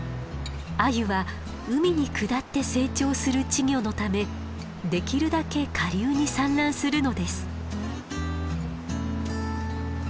アユは海に下って成長する稚魚のためできるだけ下流に産卵するのです。